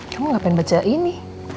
kamu ngapain baca ini